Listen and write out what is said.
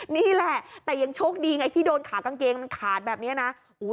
นี่แหละแต่ยังโชคดีไงที่โดนขากางเกงมันขาดแบบนี้นะ